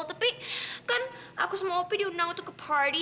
tapi kan aku semua opi diundang untuk ke pardy